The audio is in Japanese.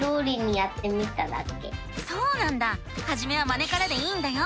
そうなんだはじめはまねからでいいんだよ！